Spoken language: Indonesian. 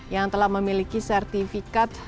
yang telah memiliki sertifikat